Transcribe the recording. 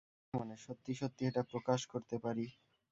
না, মানে সত্যি সত্যি এটা প্রকাশ করতে পারি।